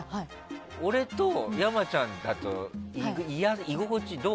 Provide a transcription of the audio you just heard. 俺と山ちゃんだと居心地、どう？